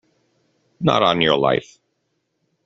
Not on your life!